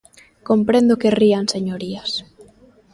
Comprendo que rían, señorías.